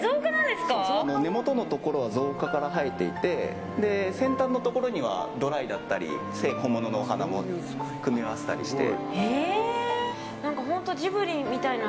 根元のところは造花から生えていて先端のところはドライだったり小物のお花を組み合わせたりして。